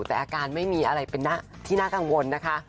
แต่อาการไม่มีอะไรเป็นที่น่ากังวลนะคะ